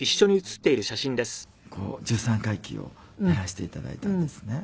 リモートで十三回忌をやらせて頂いたんですね。